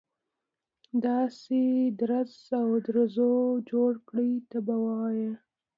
داسې درز او دروز جوړ کړي ته به وایي.